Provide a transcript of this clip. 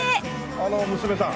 あの娘さん？